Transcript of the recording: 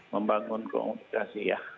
membangun komunikasi ya